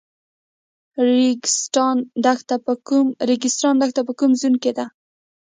ریګستان دښته په کوم زون کې ده؟